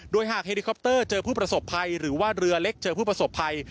โดยหากเฮลิคอปเตอร์เจอผู้ประสบภัยหรือว่าเรือเล็กเจอผู้ประสบภัย